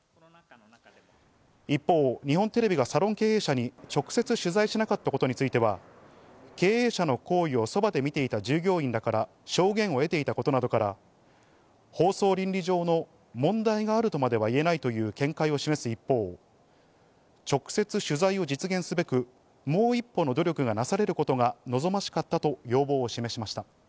一方、日本テレビがサロン経営者に直接、取材しなかったことについては、経営者の行為をそばで見ていた従業員らから証言を得ていたことなどから、放送倫理上の問題があるとまでは言えないという見解を示す一方、直接取材を実現すべく、もう一歩の努力がなされることが望ましかったと要望を示しました。